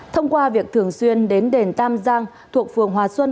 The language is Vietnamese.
thông qua việc thường xuyên đến đền tam giang thuộc phường hòa xuân